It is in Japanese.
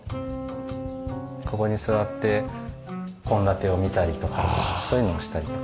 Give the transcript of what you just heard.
ここに座って献立を見たりとかそういうのをしたりとか。